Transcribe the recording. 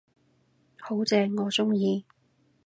好正，我鍾意